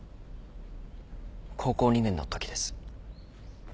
高校２年のときです。